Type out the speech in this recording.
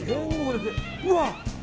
うわ！